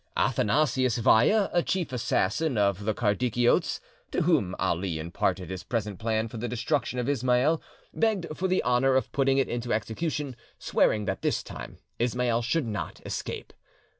Athanasius Vaya, chief assassin of the Kardikiotes, to whom Ali imparted his present plan for the destruction of Ismail, begged for the honour of putting it into execution, swearing that this time Ismail should not escape.